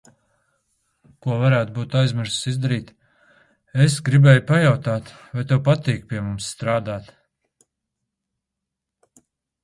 Ko varētu būt aizmirsusi izdarīt.– Es gribēju pajautāt vai tev patīk pie mums strādāt?